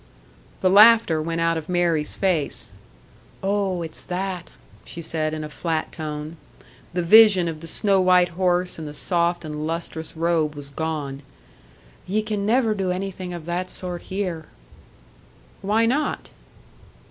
The laughter went out of Mary's face. "Oh! It's that!" she said, in a flat tone. The vision of the snow white horse and the soft and lustrous robe was gone. "Ye can never do anything of that sort here!" "Why not?"